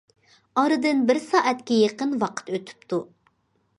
ئارىدىن بىر سائەتكە يېقىن ۋاقىت ئۆتۈپتۇ.